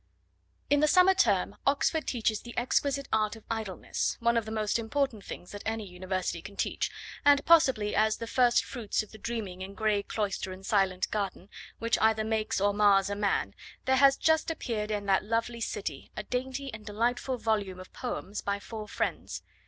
In the summer term Oxford teaches the exquisite art of idleness, one of the most important things that any University can teach, and possibly as the first fruits of the dreaming in grey cloister and silent garden, which either makes or mars a man, there has just appeared in that lovely city a dainty and delightful volume of poems by four friends.